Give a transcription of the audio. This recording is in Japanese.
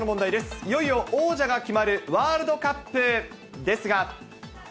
いよいよ王者が決まるワールドカップですが。